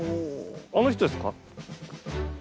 あの人ですか？